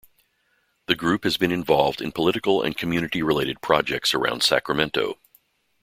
The group has been involved in political and community-related projects around Sacramento.